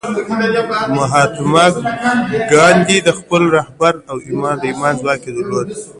مهاتما ګاندي د خپلواکۍ رهبر و او د ایمان ځواک یې درلود